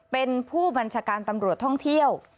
เป็นผู้บัญชาการตำรวจท่องเที่ยว